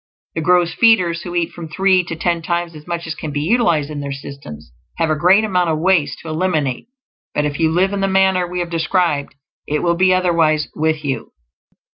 The gross feeders who eat from three to ten times as much as can be utilized in their systems have a great amount of waste to eliminate; but if you live in the manner we have described it will be otherwise with you.